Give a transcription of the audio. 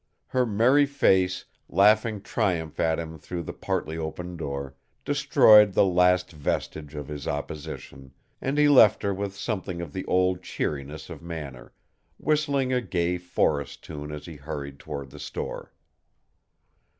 Her merry face, laughing triumph at him through the partly open door, destroyed the last vestige of his opposition, and he left her with something of his old cheeriness of manner, whistling a gay forest tune as he hurried toward the store.